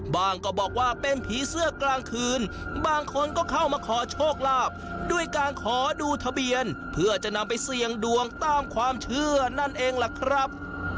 ก็บอกว่าเป็นผีเสื้อกลางคืนบางคนก็เข้ามาขอโชคลาภด้วยการขอดูทะเบียนเพื่อจะนำไปเสี่ยงดวงตามความเชื่อนั่นเองล่ะครับ